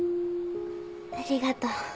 ありがとう。